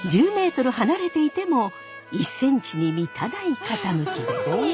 １０ｍ離れていても１ｃｍに満たない傾きです。